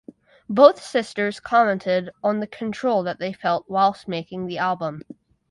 Both sisters commented on the control that they felt whilst making the album.